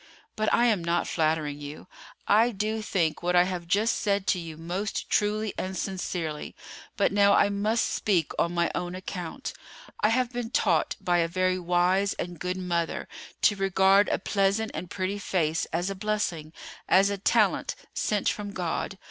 "But I am not flattering you. I do think what I have just said to you most truly and sincerely; but now I must speak on my own account. I have been taught by a very wise and good mother to regard a pleasant and pretty face as a blessing, as a talent sent from God.